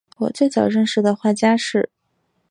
我最早认识的画家是